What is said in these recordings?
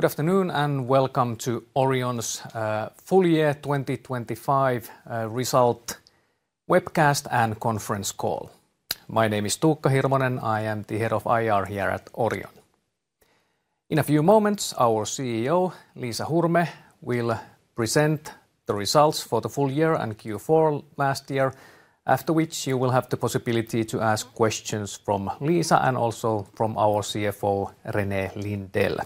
Good afternoon, and welcome to Orion's full year 2025 result webcast and conference call. My name is Tuukka Hirvonen. I am the head of IR here at Orion. In a few moments, our CEO, Liisa Hurme, will present the results for the full year and Q4 last year, after which you will have the possibility to ask questions from Liisa and also from our CFO, René Lindell.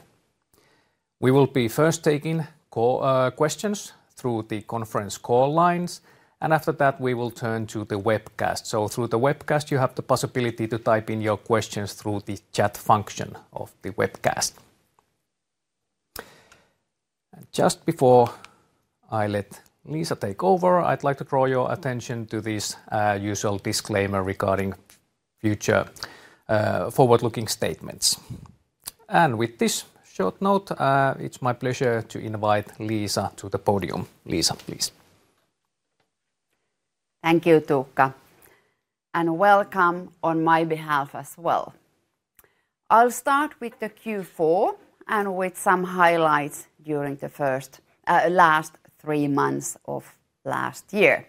We will be first taking call questions through the conference call lines, and after that, we will turn to the webcast. So through the webcast, you have the possibility to type in your questions through the chat function of the webcast. Just before I let Liisa take over, I'd like to draw your attention to this usual disclaimer regarding future forward-looking statements. With this short note, it's my pleasure to invite Liisa to the podium. Liisa, please. Thank you, Tuukka, and welcome on my behalf as well. I'll start with the Q4 and with some highlights during the last three months of last year.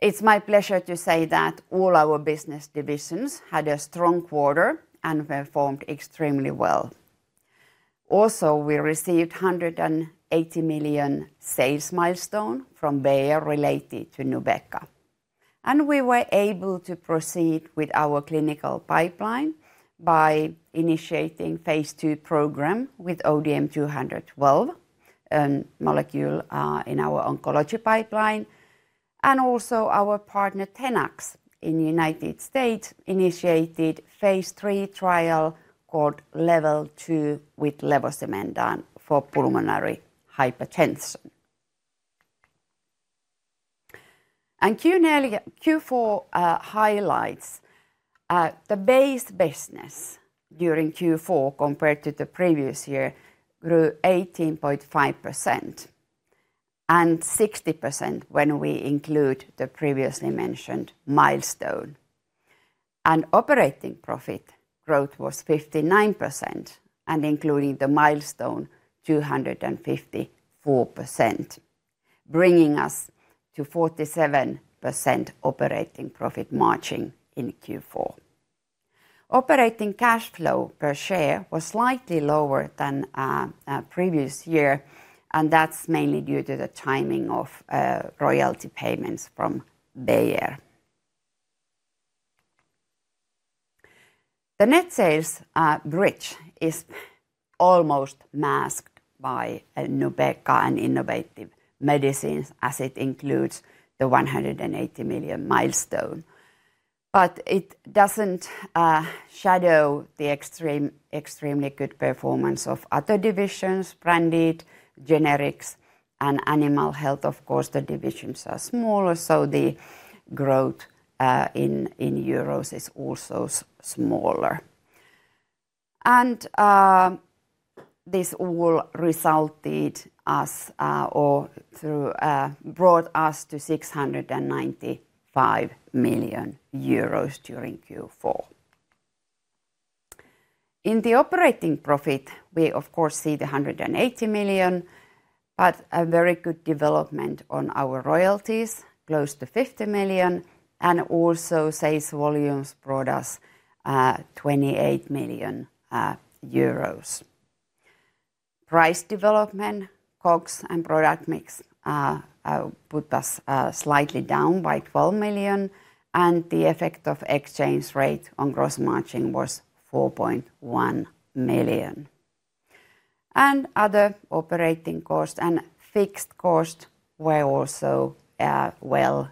It's my pleasure to say that all our business divisions had a strong quarter and performed extremely well. Also, we received 180 million sales milestone from Bayer related to Nubeqa. And we were able to proceed with our clinical pipeline by initiating phase II program with ODM-212 molecule in our oncology pipeline. And also our partner, Tenax, in the United States initiated phase III trial called LEVEL-2 with levosimendan for pulmonary hypertension. And Q4 highlights, the base business during Q4 compared to the previous year grew 18.5%, and 60% when we include the previously mentioned milestone. Operating profit growth was 59%, and including the milestone, 254%, bringing us to 47% operating profit margin in Q4. Operating cash flow per share was slightly lower than previous year, and that's mainly due to the timing of royalty payments from Bayer. The net sales bridge is almost masked by Nubeqa and innovative medicines, as it includes the 180 million milestone. But it doesn't shadow the extremely good performance of other divisions, branded, generics, and animal health. Of course, the divisions are smaller, so the growth in euros is also smaller. This all brought us to 695 million euros during Q4. In the operating profit, we of course see 180 million, but a very good development on our royalties, close to 50 million, and also sales volumes brought us 28 million euros. Price development, COGS, and product mix put us slightly down by 12 million, and the effect of exchange rate on gross margin was 4.1 million. Other operating costs and fixed costs were also well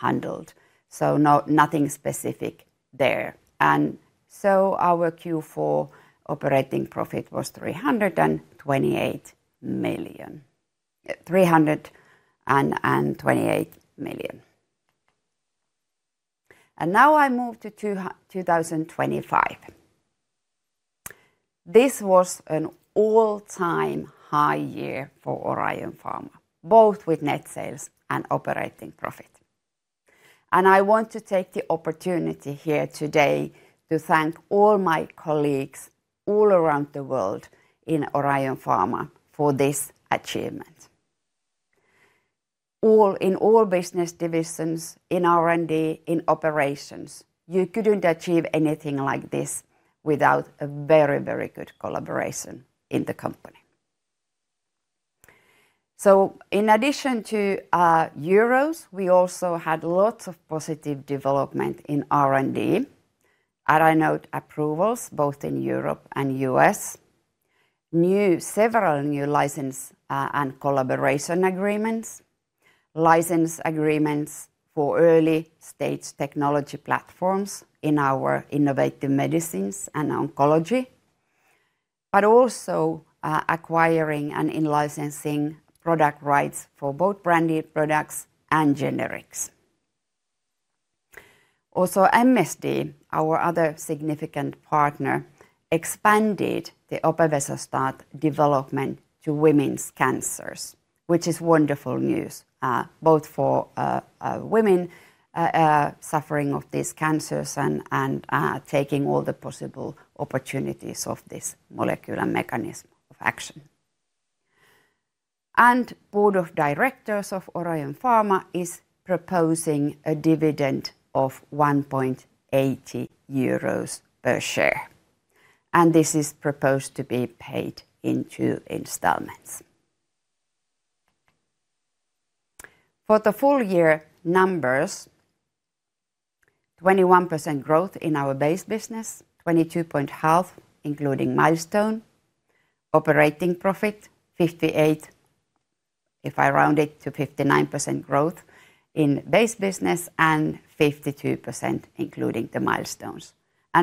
handled, so nothing specific there. So our Q4 operating profit was EUR 328 million. Now I move to 2025. This was an all-time high year for Orion Pharma, both with net sales and operating profit. I want to take the opportunity here today to thank all my colleagues all around the world in Orion Pharma for this achievement. All in all business divisions, in R&D, in operations, you couldn't achieve anything like this without a very, very good collaboration in the company. So in addition to euros, we also had lots of positive development in R&D. I note approvals, both in Europe and U.S., several new license and collaboration agreements for early-stage technology platforms in our innovative medicines and oncology, but also acquiring and in-licensing product rights for both branded products and generics. Also, MSD, our other significant partner, expanded the opevesostat development to women's cancers, which is wonderful news, both for women suffering from these cancers and taking all the possible opportunities of this molecular mechanism of action. The board of directors of Orion Pharma is proposing a dividend of 1.80 euros per share, and this is proposed to be paid in two installments. For the full year numbers, 21% growth in our base business, 22.5, including milestone. Operating profit, 58, if I round it, to 59% growth in base business, and 52% including the milestones.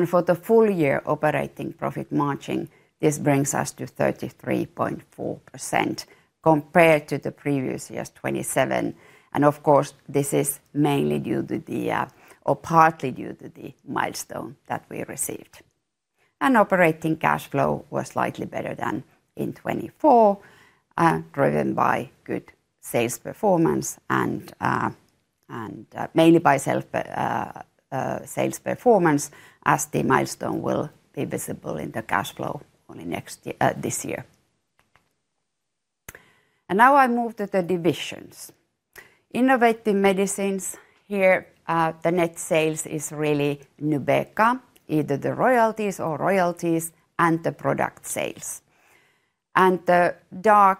For the full year operating profit margin, this brings us to 33.4% compared to the previous year's 27, and of course, this is mainly due to the, or partly due to the milestone that we received. Operating cash flow was slightly better than in 2024, driven by good sales performance and, and mainly by sales performance, as the milestone will be visible in the cash flow only next year, this year. Now I move to the divisions. Innovative medicines, here, the net sales is really Nubeqa, either the royalties or royalties and the product sales. And the bar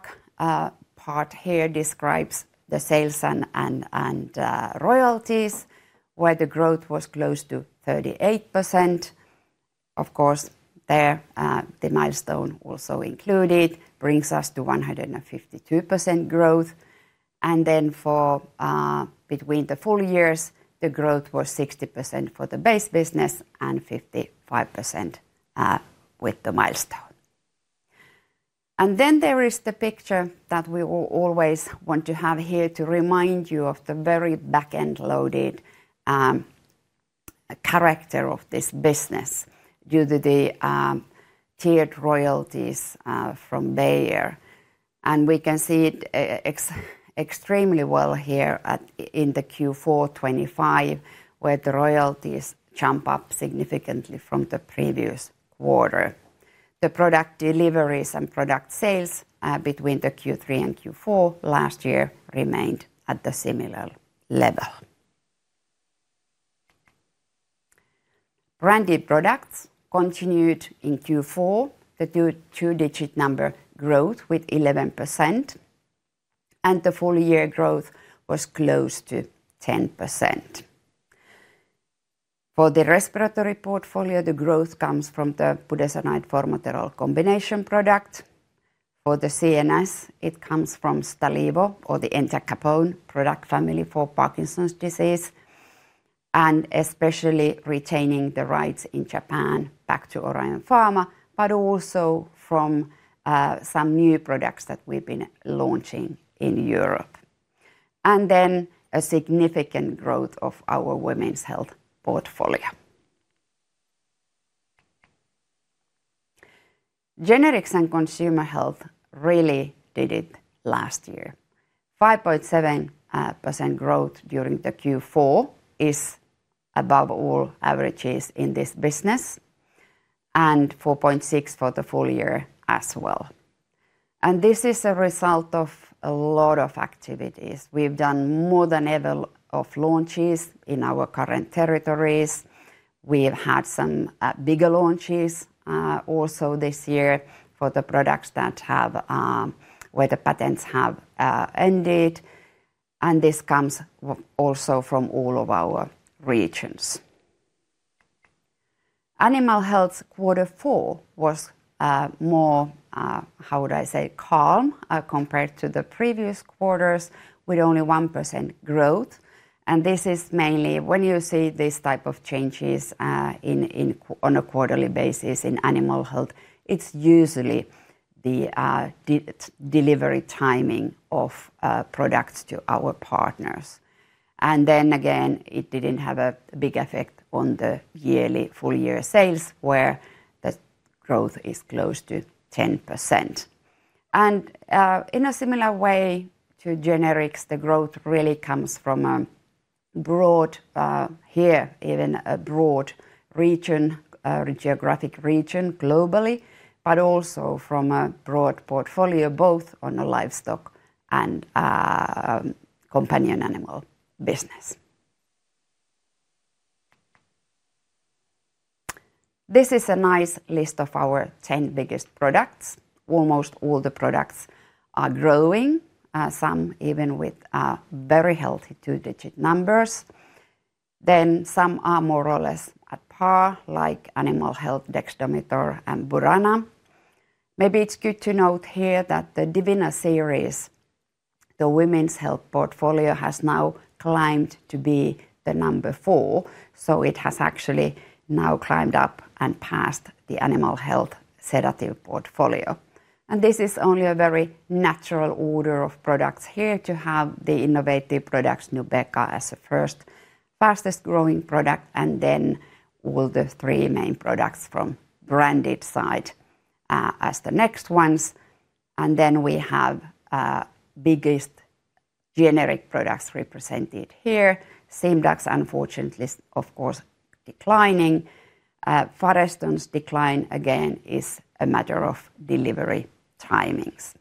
part here describes the sales and royalties, where the growth was close to 38%. Of course, there, the milestone also included, brings us to 152% growth. And then for between the full years, the growth was 60% for the base business and 55%, with the milestone. And then there is the picture that we will always want to have here to remind you of the very back-end loaded character of this business, due to the tiered royalties from Bayer. And we can see it extremely well here at in the Q4 2025, where the royalties jump up significantly from the previous quarter. The product deliveries and product sales between the Q3 and Q4 last year remained at the similar level. Branded products continued in Q4 the two-digit number growth with 11%, and the full year growth was close to 10%. For the respiratory portfolio, the growth comes from the budesonide formoterol combination product. For the CNS, it comes from Stalevo or the entacapone product family for Parkinson's disease, and especially retaining the rights in Japan back to Orion Pharma, but also from some new products that we've been launching in Europe. And then a significant growth of our women's health portfolio. Generics and consumer health really did it last year. 5.7% growth during the Q4 is above all averages in this business, and 4.6% for the full year as well. And this is a result of a lot of activities. We've done more than ever of launches in our current territories. We've had some bigger launches also this year for the products that have where the patents have ended, and this comes also from all of our regions. Animal health quarter four was more how would I say, calm compared to the previous quarters, with only 1% growth, and this is mainly when you see these type of changes on a quarterly basis in animal health, it's usually the delivery timing of products to our partners. And then again, it didn't have a big effect on the yearly full year sales, where the growth is close to 10%. In a similar way to generics, the growth really comes from a broad, even a broad geographic region globally, but also from a broad portfolio, both on the livestock and companion animal business. This is a nice list of our 10 biggest products. Almost all the products are growing, some even with very healthy two-digit numbers. Then some are more or less at par, like Animal Health, Dexdomitor, and Burana. Maybe it's good to note here that the Divina series, the women's health portfolio, has now climbed to be the number four, so it has actually now climbed up and passed the Animal Health sedative portfolio. This is only a very natural order of products here to have the innovative products, Nubeqa, as a first fastest-growing product, and then all the three main products from branded side as the next ones. And then we have biggest generic products represented here. Simdax, unfortunately, of course, declining. Fareston's decline again is a matter of delivery timings.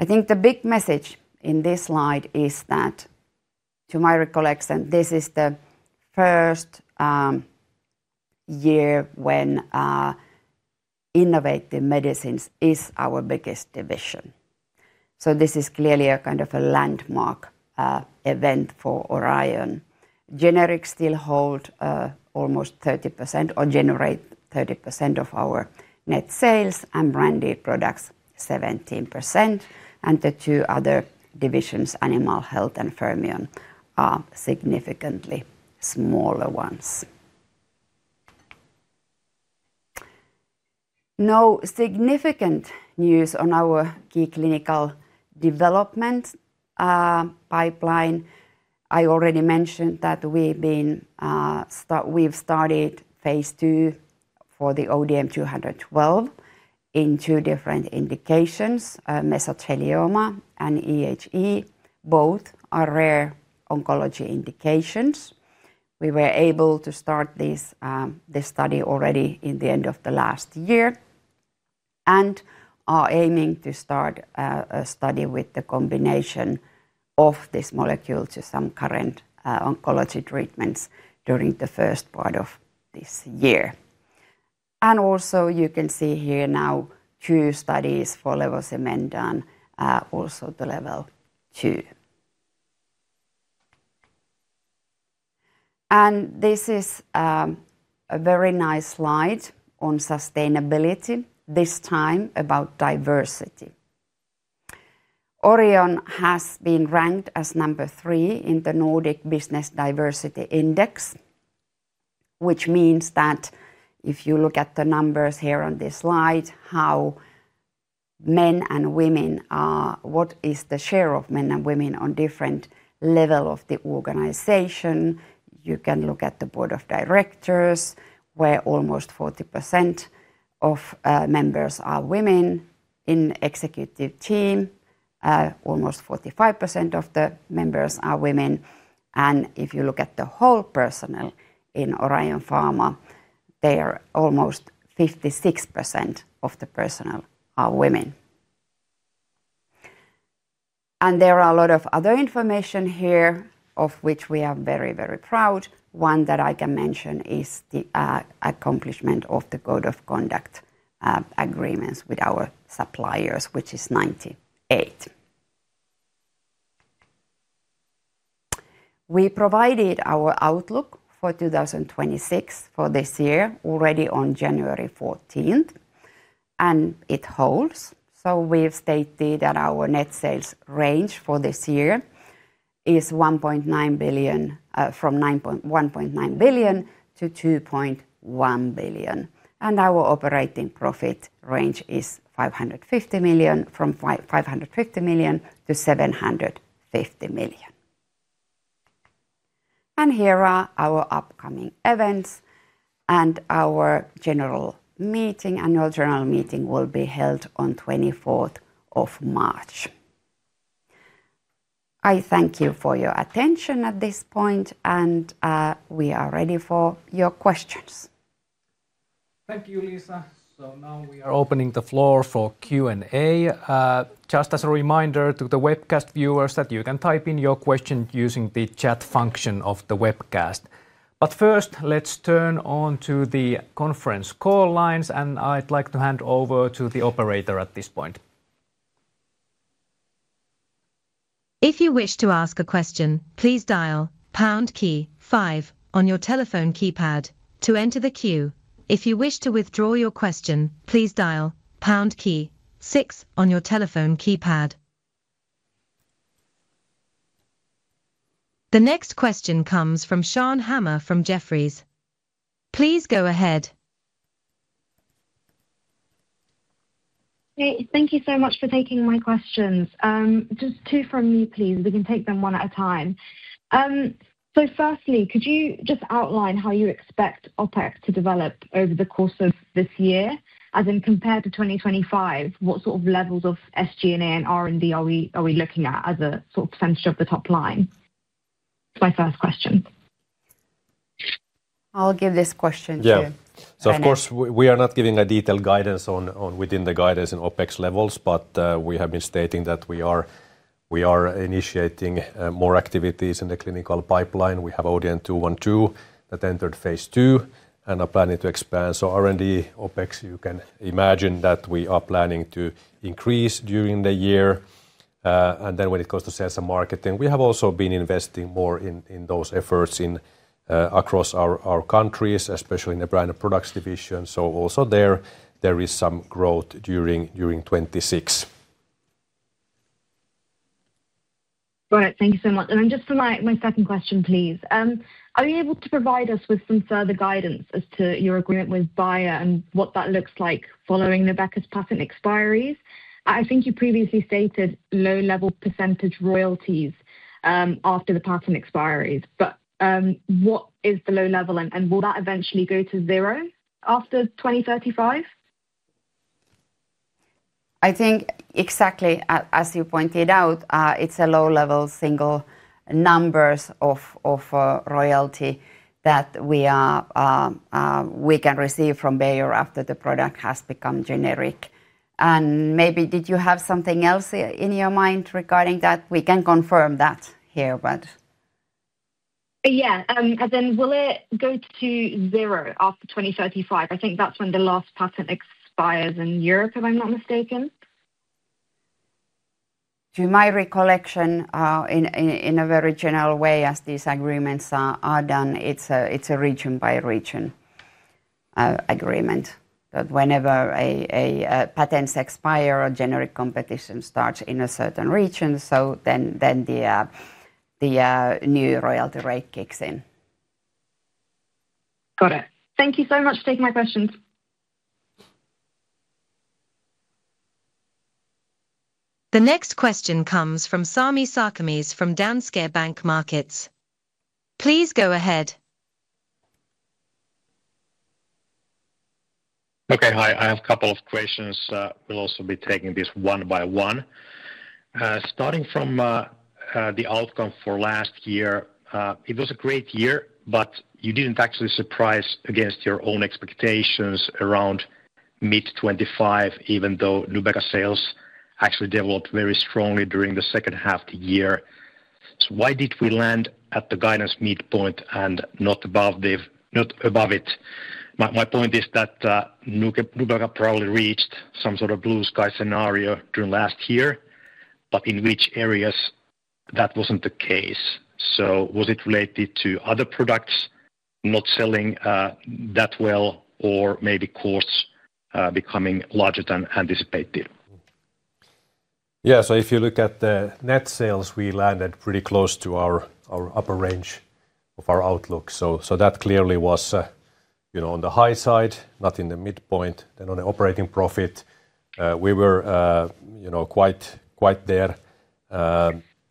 I think the big message in this slide is that, to my recollection, this is the first year when Innovative Medicines is our biggest division. So this is clearly a kind of a landmark event for Orion. Generics still hold almost 30% or generate 30% of our net sales, and branded products 17%, and the two other divisions, Animal Health and Fermion, are significantly smaller ones. No significant news on our key clinical development pipeline. I already mentioned that we've started phase two for the ODM-212 in two different indications, mesothelioma and EHE. Both are rare oncology indications. We were able to start this study already in the end of the last year and are aiming to start a study with the combination of this molecule to some current oncology treatments during the first part of this year. And also you can see here now two studies for levosimendan, also the LEVEL-2. And this is a very nice slide on sustainability, this time about diversity. Orion has been ranked as number 3 in the Nordic Business Diversity Index, which means that if you look at the numbers here on this slide, how men and women are what is the share of men and women on different level of the organization? You can look at the board of directors, where almost 40% of members are women. In executive team, almost 45% of the members are women. And if you look at the whole personnel in Orion Pharma, almost 56% of the personnel are women. And there are a lot of other information here of which we are very, very proud. One that I can mention is the accomplishment of the code of conduct agreements with our suppliers, which is 98%. We provided our outlook for 2026, for this year, already on January fourteenth, and it holds. So we've stated that our net sales range for this year is 1.9 billion from EUR 900 million, 1.9 billion-2.1 billion, and our operating profit range is 550 million, from 550 million-750 million. Here are our upcoming events, and our general meeting, annual general meeting will be held on 24th of March. I thank you for your attention at this point, and we are ready for your questions. Thank you, Liisa. So now we are opening the floor for Q&A. Just as a reminder to the webcast viewers, that you can type in your question using the chat function of the webcast. But first, let's turn over to the conference call lines, and I'd like to hand over to the operator at this point. If you wish to ask a question, please dial pound key five on your telephone keypad to enter the queue. If you wish to withdraw your question, please dial pound key six on your telephone keypad. The next question comes from Sean Hammer from Jefferies. Please go ahead. Hey, thank you so much for taking my questions. Just two from me, please. We can take them one at a time. So firstly, could you just outline how you expect OpEx to develop over the course of this year, as in compared to 2025? What sort of levels of SG&A and R&D are we, are we looking at as a sort of percentage of the top line? It's my first question. I'll give this question to— Yeah. René. So of course, we are not giving a detailed guidance on within the guidance on OpEx levels, but we have been stating that we are initiating more activities in the clinical pipeline. We have ODM-212 that entered phase two and are planning to expand. So R&D OpEx, you can imagine that we are planning to increase during the year. And then when it comes to sales and marketing, we have also been investing more in those efforts in across our countries, especially in the Branded Products division. So also there is some growth during 2026. Got it. Thank you so much. Just for my second question, please. Are you able to provide us with some further guidance as to your agreement with Bayer and what that looks like following the Nubeqa's patent expiries? I think you previously stated low-level percentage royalties after the patent expiries, but what is the low level, and will that eventually go to zero after 2035? I think exactly as you pointed out, it's a low-level single numbers of royalty that we can receive from Bayer after the product has become generic. And maybe did you have something else in your mind regarding that? We can confirm that here, but. Yeah, and then will it go to zero after 2035? I think that's when the last patent expires in Europe, if I'm not mistaken. To my recollection, in a very general way, as these agreements are done, it's a region-by-region agreement, that whenever patents expire or generic competition starts in a certain region, then the new royalty rate kicks in. Got it. Thank you so much for taking my questions. The next question comes from Sami Sarkamies, from Danske Bank Markets. Please go ahead. Okay, hi. I have a couple of questions. We'll also be taking this one by one. Starting from the outcome for last year, it was a great year, but you didn't actually surprise against your own expectations around mid-2025, even though Nubeqa sales actually developed very strongly during the second half of the year. So why did we land at the guidance midpoint and not above it? My point is that Nubeqa probably reached some sort of blue sky scenario during last year, but in which areas that wasn't the case. So was it related to other products not selling that well, or maybe costs becoming larger than anticipated? Yeah, so if you look at the net sales, we landed pretty close to our upper range of our outlook. So that clearly was, you know, on the high side, not in the midpoint. Then on the operating profit, we were, you know, quite there,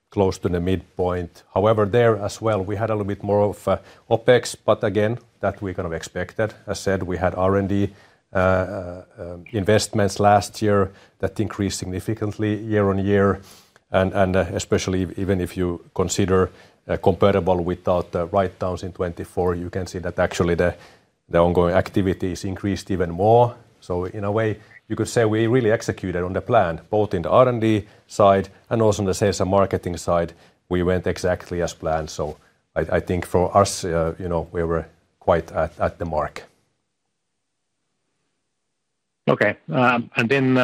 close to the midpoint. However, there as well, we had a little bit more of OpEx, but again, that we kind of expected. I said we had R&D investments last year that increased significantly year on year, and especially even if you consider comparable without the write-downs in 2024, you can see that actually the ongoing activities increased even more. So in a way, you could say we really executed on the plan, both in the R&D side and also on the sales and marketing side, we went exactly as planned. So I think for us, you know, we were quite at the mark. Okay. And then,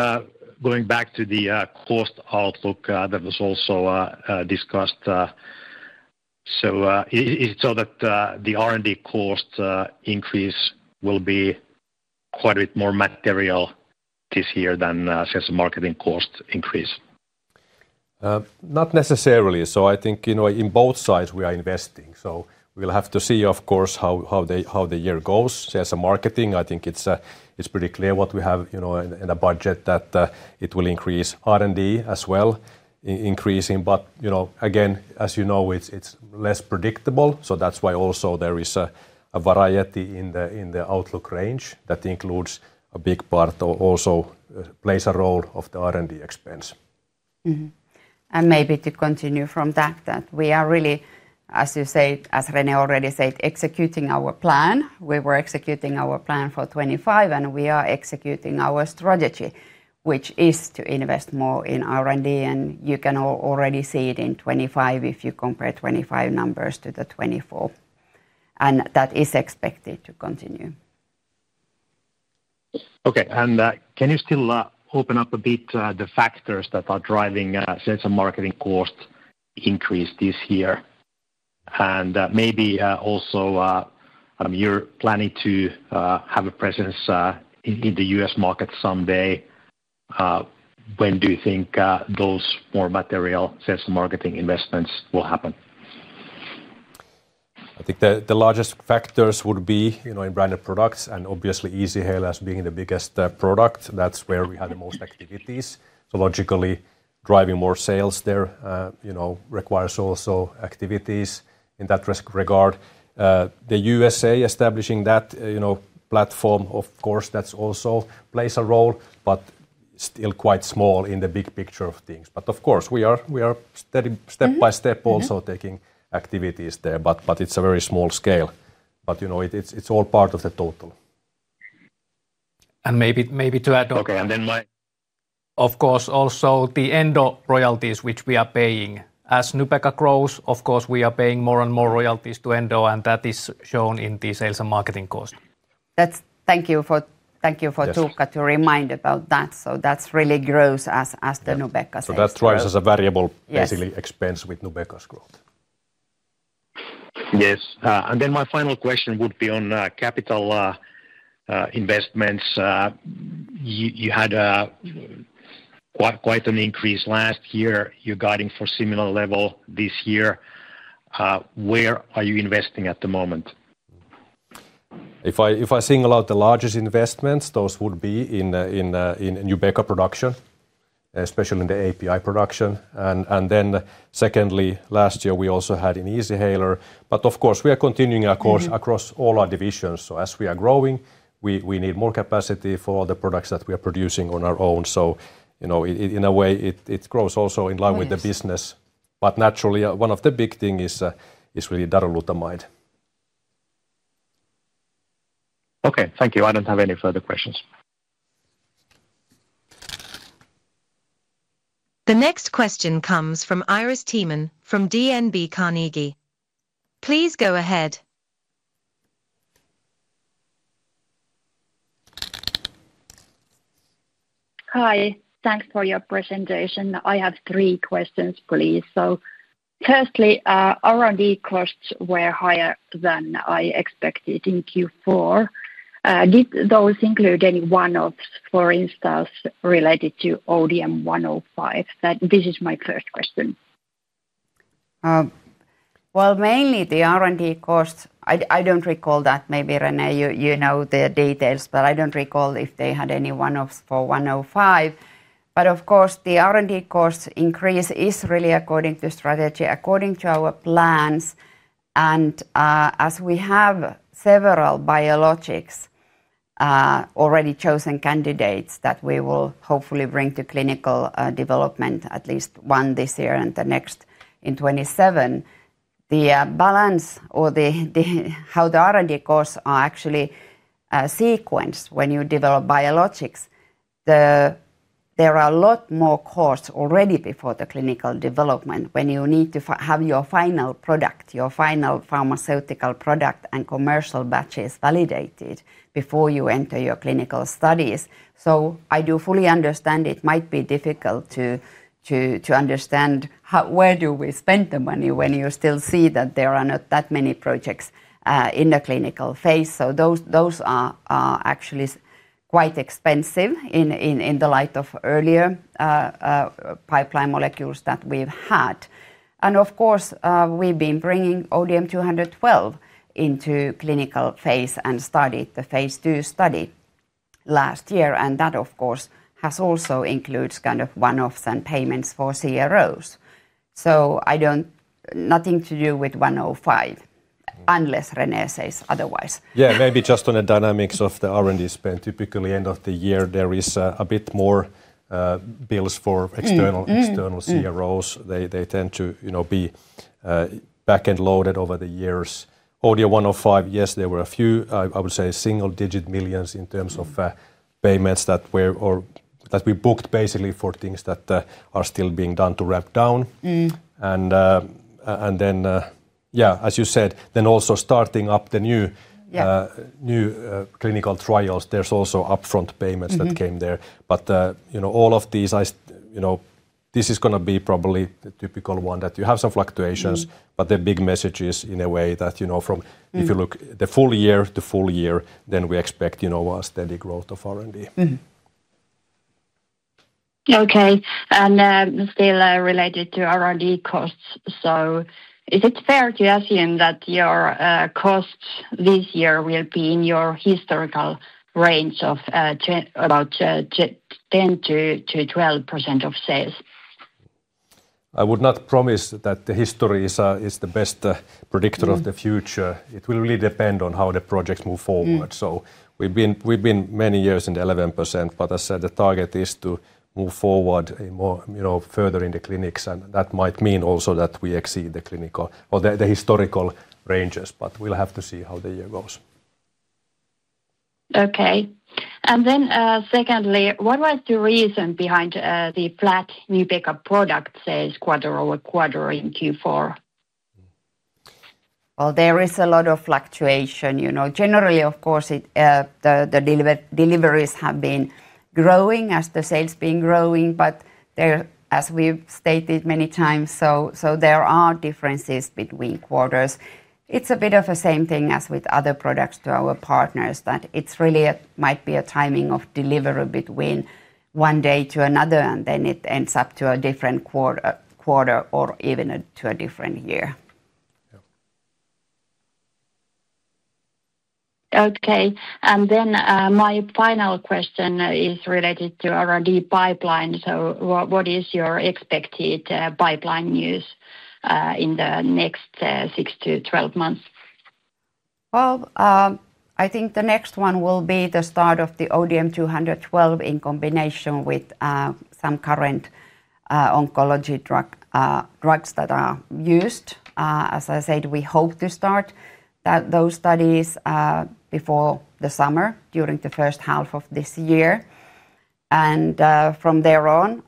going back to the cost outlook, that was also discussed, so that the R&D cost increase will be quite a bit more material this year than sales and marketing cost increase? Not necessarily. So I think, you know, in both sides we are investing, so we'll have to see, of course, how the year goes. Sales and marketing, I think it's pretty clear what we have, you know, in the budget, that it will increase R&D as well, increasing. But, you know, again, as you know, it's less predictable, so that's why also there is a variety in the outlook range that includes a big part or also plays a role of the R&D expense. Mm-hmm. And maybe to continue from that, that we are really, as you said, as René already said, executing our plan. We were executing our plan for 2025, and we are executing our strategy, which is to invest more in R&D, and you can already see it in 2025, if you compare 2025 numbers to the 2024, and that is expected to continue. Okay, and can you still open up a bit the factors that are driving sales and marketing cost increase this year? And maybe also you're planning to have a presence in the U.S. market someday. When do you think those more material sales and marketing investments will happen? I think the largest factors would be, you know, in branded products and obviously Easyhaler as being the biggest product. That's where we have the most activities. So logically, driving more sales there, you know, requires also activities in that regard. The U.S.A. establishing that, you know, platform, of course, that's also plays a role, but still quite small in the big picture of things. But of course, we are steady- Mm-hmm -step by step, also- Mm-hmm -taking activities there. But it's a very small scale. But, you know, it's all part of the total. Maybe, maybe to add on- Okay, and then my- Of course, also the Endo royalties, which we are paying. As Nubeqa grows, of course, we are paying more and more royalties to Endo, and that is shown in the sales and marketing cost. Thank you for Yes -Tuukka, to remind about that. So that really grows as the Nubeqa sales grow. So that drives as a variable- Yes -basically expense with Nubeqa's growth. Yes, and then my final question would be on capital investments. You had quite, quite an increase last year. You're guiding for similar level this year. Where are you investing at the moment? If I single out the largest investments, those would be in Nubeqa production... especially in the API production. And then secondly, last year we also had an Easyhaler, but of course, we are continuing our course- Mm-hmm. Across all our divisions. So as we are growing, we need more capacity for the products that we are producing on our own. So, you know, in a way, it grows also in line with the business. Nice. Naturally, one of the big thing is really darolutamide. Okay, thank you. I don't have any further questions. The next question comes from Iiris Theman from DNB Carnegie. Please go ahead. Hi, thanks for your presentation. I have three questions, please. So firstly, R&D costs were higher than I expected in Q4. Did those include any one-offs, for instance, related to ODM-105? That's my first question. Well, mainly the R&D costs, I don't recall that. Maybe René, you know, the details, but I don't recall if they had any one-offs for 105. But of course, the R&D cost increase is really according to strategy, according to our plans. And as we have several biologics already chosen candidates that we will hopefully bring to clinical development, at least one this year and the next in 2027, the balance or the how the R&D costs are actually sequenced when you develop biologics. There are a lot more costs already before the clinical development, when you need to have your final product, your final pharmaceutical product and commercial batches validated before you enter your clinical studies. So I do fully understand it might be difficult to understand how where do we spend the money, when you still see that there are not that many projects in the clinical phase. So those are actually quite expensive in the light of earlier pipeline molecules that we've had. And of course, we've been bringing ODM-212 into clinical phase and studied the phase II study last year, and that, of course, has also includes kind of one-offs and payments for CROs. So I don't... Nothing to do with 105, unless René says otherwise. Yeah, maybe just on the dynamics of the R&D spend. Typically end of the year, there is a bit more bills for- Mm, mm, mm -external, external CROs. They tend to, you know, be back-end loaded over the years. ODM-105, yes, there were a few. I would say single-digit millions in terms of- Mm -payments that were or that we booked basically for things that are still being done to ramp down. Mm. And then, yeah, as you said, then also starting up the new- Yeah -new, clinical trials, there's also upfront payments- Mm-hmm --that came there. But, you know, all of these, you know, this is gonna be probably the typical one, that you have some fluctuations. Mm. The big message is, in a way, that, you know, from- Mm -if you look the full year to full year, then we expect, you know, a steady growth of R&D. Mm-hmm. Okay. And, still, related to R&D costs, so is it fair to assume that your costs this year will be in your historical range of about 10%-12% of sales? I would not promise that the history is the best predictor of the future. Mm. It will really depend on how the projects move forward. Mm. So we've been many years in the 11%, but as I said, the target is to move forward a more, you know, further in the clinics, and that might mean also that we exceed the clinical or the historical ranges, but we'll have to see how the year goes. Okay. And then, secondly, what was the reason behind the flat Nubeqa product sales quarter-over-quarter in Q4? Well, there is a lot of fluctuation, you know. Generally, of course, the deliveries have been growing as the sales been growing, but there, as we've stated many times, so there are differences between quarters. It's a bit of a same thing as with other products to our partners, that it's really a might be a timing of delivery between one day to another, and then it ends up to a different quarter or even to a different year. Yeah. Okay. And then, my final question is related to R&D pipeline. So what is your expected pipeline news in the next 6-12 months? Well, I think the next one will be the start of the ODM-212 in combination with some current oncology drug, drugs that are used. As I said, we hope to start that, those studies before the summer, during the first half of this year. And from there on,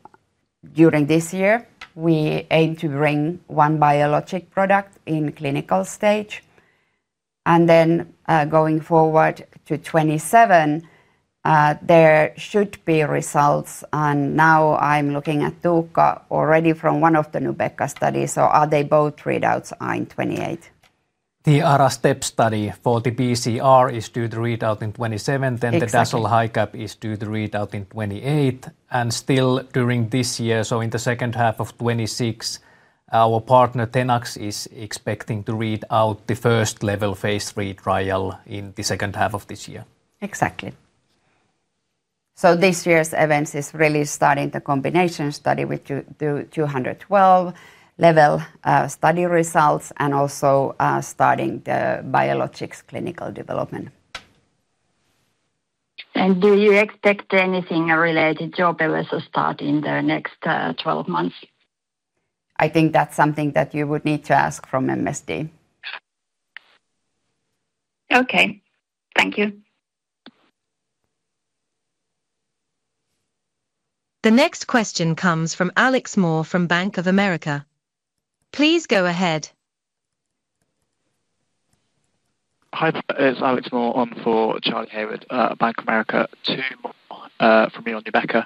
during this year, we aim to bring one biologic product in clinical stage. And then going forward to 2027, there should be results, and now I'm looking at Tuukka, already from one of the Nubeqa studies. So are they both readouts on 2028? The ARASTEP study for the BCR is due to read out in 2027- Exactly -then the DASL-HiCaP is due to read out in 2028. Still during this year, so in the second half of 2026, our partner, Tenax, is expecting to read out the first LEVEL phase III trial in the second half of this year? Exactly. So this year's events is really starting the combination study with ODM-212, the ODM-212 study results and also starting the biologics clinical development. Do you expect anything related to opevesostat start in the next 12 months? I think that's something that you would need to ask from MSD. Okay. Thank you. The next question comes from Alex Moore from Bank of America. Please go ahead. Hi, it's Alex Moore on for Charlie Hayward, Bank of America. Two from you on Nubeqa.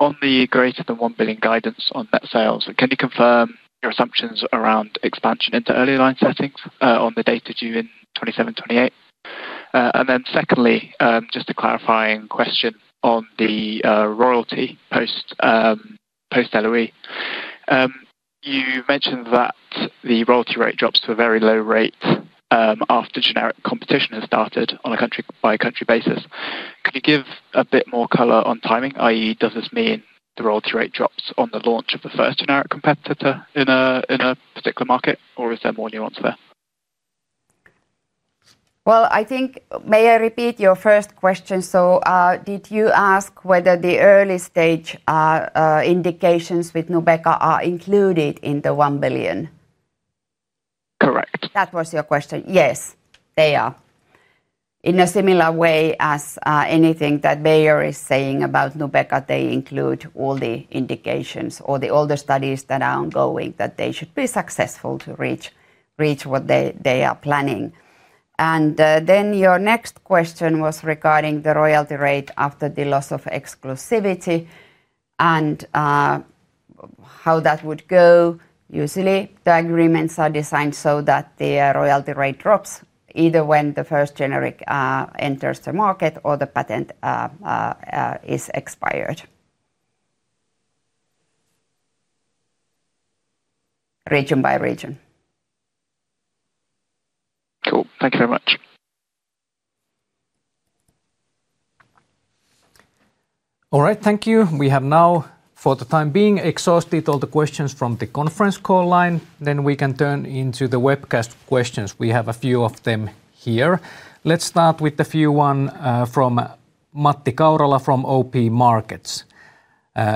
On the greater than 1 billion guidance on net sales, can you confirm your assumptions around expansion into early line settings on the date of June 2027-2028? And then secondly, just a clarifying question on the royalty post post LOE. You mentioned that the royalty rate drops to a very low rate after generic competition has started on a country-by-country basis. Can you give a bit more color on timing, i.e., does this mean the royalty rate drops on the launch of the first generic competitor in a particular market, or is there more nuance there? Well, I think. May I repeat your first question? So, did you ask whether the early stage indications with Nubeqa are included in the 1 billion? Correct. That was your question. Yes, they are. In a similar way as anything that Bayer is saying about Nubeqa, they include all the indications or the older studies that are ongoing, that they should be successful to reach what they are planning. And then your next question was regarding the royalty rate after the loss of exclusivity and how that would go. Usually, the agreements are designed so that the royalty rate drops either when the first generic enters the market or the patent is expired. Region by region. Cool. Thank you very much. All right, thank you. We have now, for the time being, exhausted all the questions from the conference call line, then we can turn into the webcast questions. We have a few of them here. Let's start with a few one, from Matti Kaurala from OP Markets.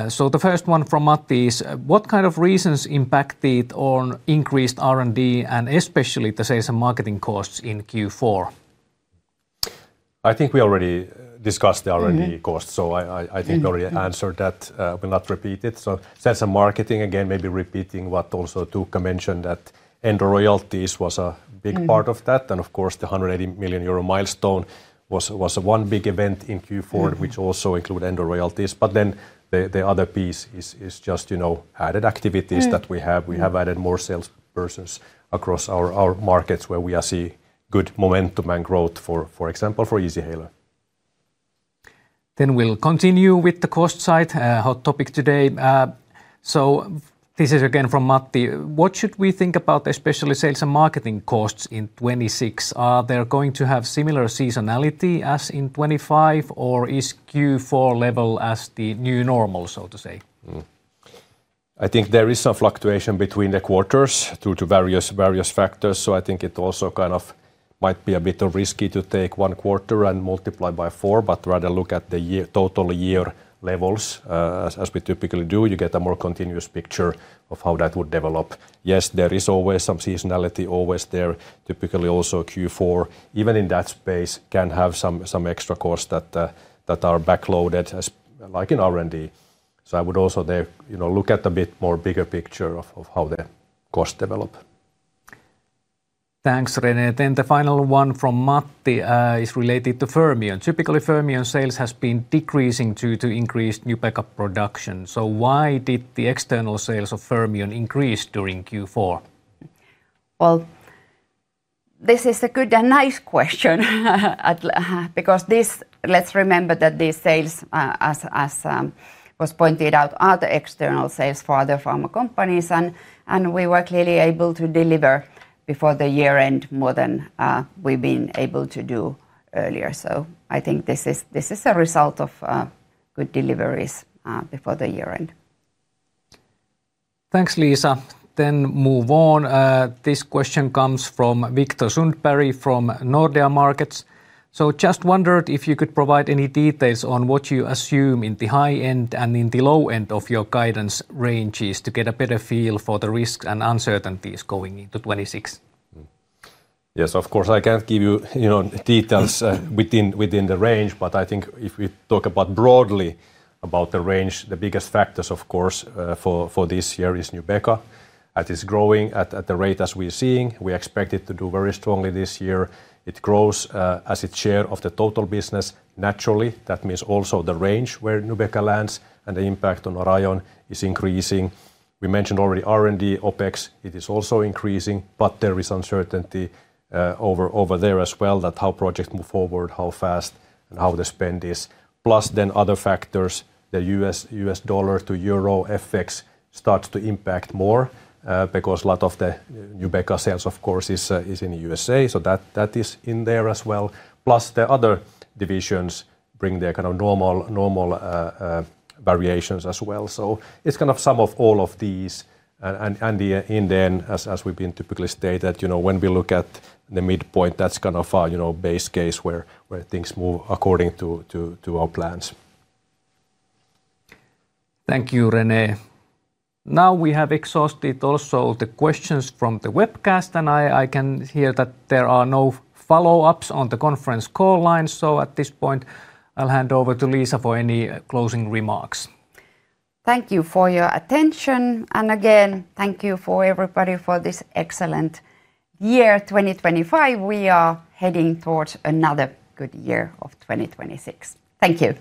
So the first one from Matti is, what kind of reasons impacted on increased R&D, and especially the sales and marketing costs in Q4? I think we already discussed the R&D- Mm-hmm -costs, so I think already answered that. Will not repeat it. So sales and marketing, again, maybe repeating what also Tuukka mentioned, that Endo royalties was a big part of that. Mm. Of course, the 180 million euro milestone was one big event in Q4- Mm -which also include end of royalties. But then the other piece is just, you know, added activities- Mm -that we have. We have added more salespersons across our markets, where we are see good momentum and growth, for example, for Easyhaler. Then we'll continue with the cost side, a hot topic today. This is again from Matti. What should we think about, especially sales and marketing costs in 2026? Are they going to have similar seasonality as in 2025, or is Q4 level as the new normal, so to say? Mm. I think there is some fluctuation between the quarters due to various, various factors, so I think it also kind of might be a bit of risky to take 1 quarter and multiply by 4, but rather look at the year-total year levels, as we typically do. You get a more continuous picture of how that would develop. Yes, there is always some seasonality always there. Typically also Q4, even in that space, can have some, some extra costs that, that are backloaded, as like in R&D. So I would also there, you know, look at a bit more bigger picture of how the costs develop. Thanks, René. Then the final one from Matti, is related to Fermion. Typically, Fermion sales has been decreasing due to increased Nubeqa production, so why did the external sales of Fermion increase during Q4? Well, this is a good and nice question, because this—let's remember that these sales, as was pointed out, are the external sales for other pharma companies, and we were clearly able to deliver before the year end more than we've been able to do earlier. So I think this is, this is a result of good deliveries before the year end. Thanks, Liisa. Then move on. This question comes from Viktor Sundberg from Nordea Markets. "So just wondered if you could provide any details on what you assume in the high end and in the low end of your guidance ranges to get a better feel for the risks and uncertainties going into 2026? Mm. Yes, of course, I can't give you, you know, details within the range, but I think if we talk about broadly about the range, the biggest factors, of course, for this year is Nubeqa. That is growing at the rate as we're seeing. We expect it to do very strongly this year. It grows as its share of the total business. Naturally, that means also the range where Nubeqa lands and the impact on Orion is increasing. We mentioned already R&D, OpEx; it is also increasing, but there is uncertainty over there as well, that how projects move forward, how fast and how the spend is. Plus then other factors, the U.S. dollar to euro FX starts to impact more, because a lot of the Nubeqa sales, of course, is in the U.S.A., so that is in there as well. Plus, the other divisions bring their kind of normal, normal variations as well. So it's kind of sum of all of these, and in the end, as we've been typically stated, you know, when we look at the midpoint, that's kind of our, you know, base case where things move according to our plans. Thank you, René. Now, we have exhausted also the questions from the webcast, and I can hear that there are no follow-ups on the conference call line. So at this point, I'll hand over to Liisa for any closing remarks. Thank you for your attention, and again, thank you for everybody for this excellent year, 2025. We are heading towards another good year of 2026. Thank you.